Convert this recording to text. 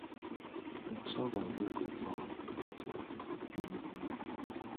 Amasavu ageekutte awamu gayitibwa Kakumemme.